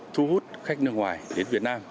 thu hút khách nước ngoài đến việt nam